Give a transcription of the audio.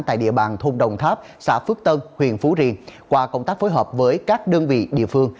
tại địa bàn thôn đồng tháp xã phước tân huyện phú riêng qua công tác phối hợp với các đơn vị địa phương